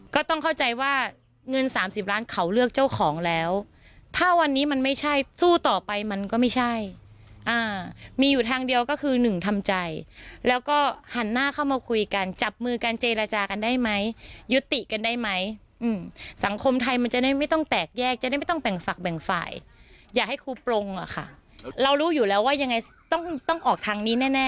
ก็ต้องเข้าใจว่าเงินสามสิบล้านเขาเลือกเจ้าของแล้วถ้าวันนี้มันไม่ใช่สู้ต่อไปมันก็ไม่ใช่มีอยู่ทางเดียวก็คือหนึ่งทำใจแล้วก็หันหน้าเข้ามาคุยกันจับมือกันเจรจากันได้ไหมยุติกันได้ไหมสังคมไทยมันจะได้ไม่ต้องแตกแยกจะได้ไม่ต้องแบ่งฝักแบ่งฝ่ายอยากให้ครูปรงอะค่ะเรารู้อยู่แล้วว่ายังไงต้องต้องออกทางนี้แน่